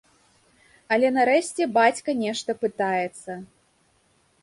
Але нарэшце бацька нешта пытаецца.